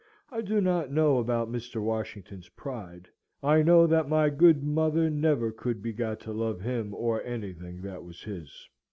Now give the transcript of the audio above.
I do not know about Mr. Washington's pride, I know that my good mother never could be got to love him or anything that was his.